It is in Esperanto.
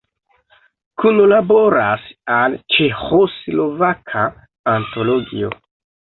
Kunlaboras al Ĉeĥoslovaka antologio.